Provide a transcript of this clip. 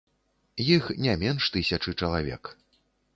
Іх не менш тысячы чалавек.